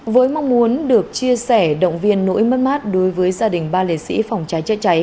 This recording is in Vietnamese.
với mong muốn được chia sẻ động viên nỗi mất mát đối với gia đình ba liệt sĩ phòng cháy chữa cháy